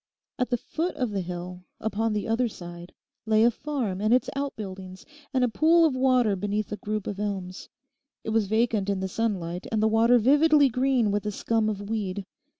At the foot of the hill, upon the other side, lay a farm and its out buildings, and a pool of water beneath a group of elms. It was vacant in the sunlight, and the water vividly green with a scum of weed.